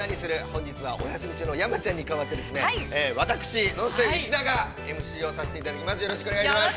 本日はお休み中の山ちゃんに代わって、私、ＮＯＮＳＴＹＬＥ石田がＭＣをさせていただきます。